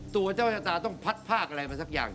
ตัวเจ้าชะตาต้องพัดภาคอะไรมาสักอย่าง